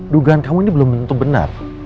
dugaan kamu ini belum tentu benar